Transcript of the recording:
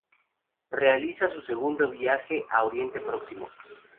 Realiza su segundo viaje a Oriente Próximo.